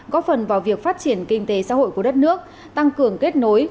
góp phần vào việc phát triển kinh tế xã hội của đất nước tăng cường kết nối